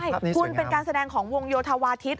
ใช่คุณเป็นการแสดงของวงโยธวาทิศ